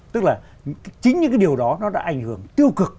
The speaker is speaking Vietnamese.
tức là chính những cái điều đó nó đã ảnh hưởng tiêu cực